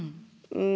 うん。